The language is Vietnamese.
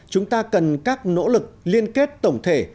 chúng ta cần các nỗ lực liên kết tổng thể